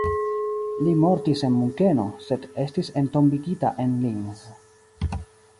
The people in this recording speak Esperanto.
Li mortis en Munkeno, sed estis entombigita en Linz.